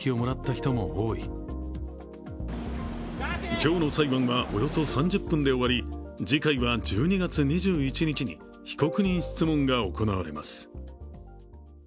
今日の裁判はおよそ３０分で終わり、次回は１２月２１日に被告人質問が行われます。